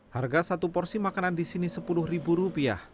harga satu porsi makanan disini sepuluh ribu rupiah